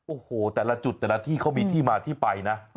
โอ้โหแต่ละจุดแต่ละที่เขามีที่มาที่ไปนะ